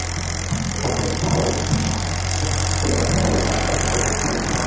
এবং প্রতি বিরতিকে লাগিয়ে দিবে।